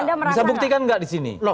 anda bisa buktikan nggak di sini